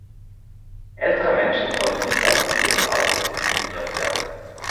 Ältere Menschen sollten nicht aufgrund ihres Alters diskriminiert werden.